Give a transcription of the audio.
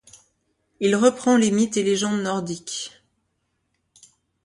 Il reprend les mythes et légendes nordiques.